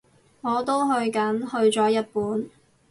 我都去緊，去咗日本